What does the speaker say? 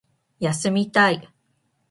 休みたい